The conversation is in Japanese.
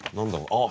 あっ